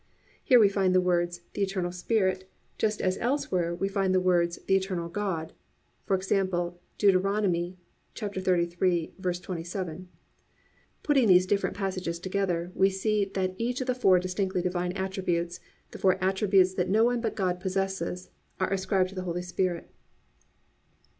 "+ Here we find the words "the Eternal Spirit" just as elsewhere we find the words "the Eternal God" (e.g., Deut. 33:27): Putting these different passages together, we see clearly that each of the four distinctively divine attributes, the four attributes that no one but God possesses, are ascribed to the Holy Spirit.